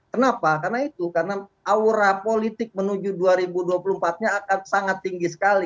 kenapa karena itu karena aura politik menuju dua ribu dua puluh empat nya akan sangat tinggi sekali